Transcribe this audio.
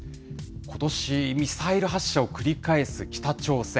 ことし、ミサイル発射を繰り返す北朝鮮。